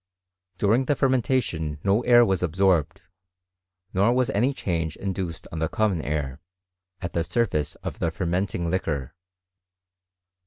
During the fermentation no air was absorbed, nor wa3 any change induced on the common air, at the surface of the fermenting liquor.